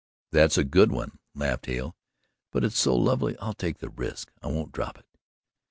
"That's a good one," laughed Hale, "but it's so lovely I'll take the risk. I won't drop it."